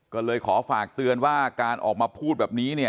ก็เลยขอฝากเตือนว่าการออกมาพูดแบบนี้เนี่ย